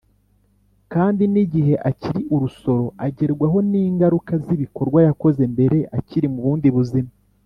kandi n’igihe akiri urusoro agerwaho n’ingaruka z’ibikorwa yakoze mbere akiri mu bundi buzima.